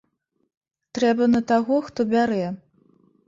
Трэба на таго, хто бярэ.